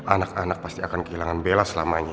anak anak pasti akan kehilangan bela selamanya